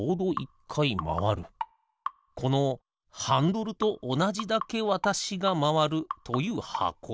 このハンドルとおなじだけわたしがまわるというはこ。